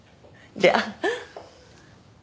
じゃあ。